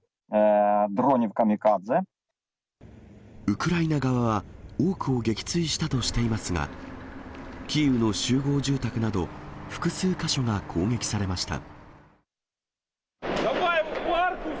ウクライナ側は、多くを撃墜したとしていますが、キーウの集合住宅など、複数箇所が攻撃されました。